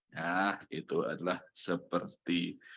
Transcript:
ya itu adalah seperti